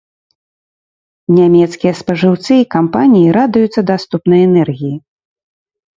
Нямецкія спажыўцы і кампаніі радуюцца даступнай энергіі.